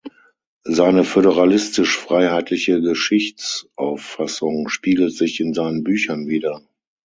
Seine föderalistisch-freiheitliche Geschichtsauffassung spiegelt sich in seinen Büchern wider.